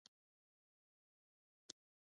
ایا ورسره بهر ځئ؟